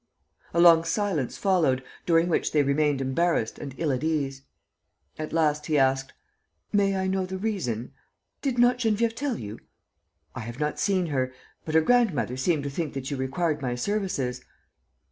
A long silence followed, during which they remained embarrassed and ill at ease. At last, he asked: "May I know the reason ...?" "Did not Geneviève tell you? ..." "I have not seen her ... but her grandmother seemed to think that you required my services